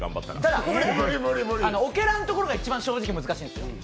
オケラのところが一番正直難しいんですよ。